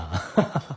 ハハハハ。